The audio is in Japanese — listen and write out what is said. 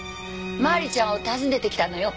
マリちゃんを訪ねてきたのよ